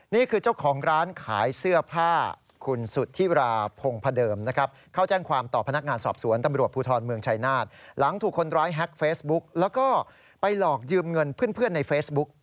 นี่คือเจ้าของร้านขายเสื้อผ้าคุณสุดที่ราพงศ์พระเดิมนะครับ